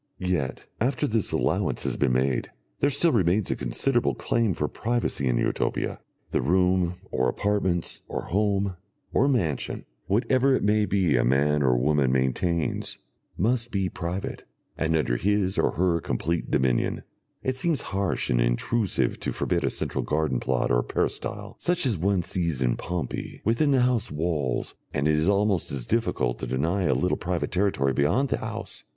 Yet, after this allowance has been made, there still remains a considerable claim for privacy in Utopia. The room, or apartments, or home, or mansion, whatever it may be a man or woman maintains, must be private, and under his or her complete dominion; it seems harsh and intrusive to forbid a central garden plot or peristyle, such as one sees in Pompeii, within the house walls, and it is almost as difficult to deny a little private territory beyond the house.